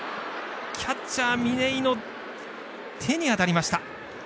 キャッチャー嶺井の手に当たりました。